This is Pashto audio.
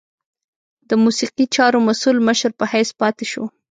د موسیقي چارو مسؤل مشر په حیث پاته شو.